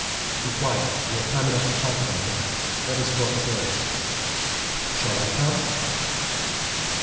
"Be quiet, we have time enough to talk about that. Let us go upstairs." "Shall I come?"